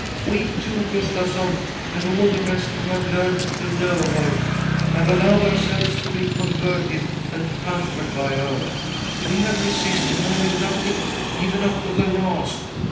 We two, Gustavsson, and all the rest who have learnt to know her, have allowed ourselves to be converted and conquered by her. We have resisted her in nothing, even up to the last.